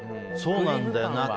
そうなんだよな。